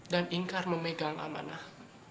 dan ingkar memegang amanah